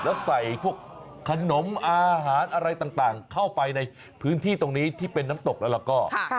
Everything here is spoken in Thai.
แล้วใส่พวกขนมอาหารอะไรต่างเข้าไปในพื้นที่ตรงนี้ที่เป็นน้ำตกแล้วก็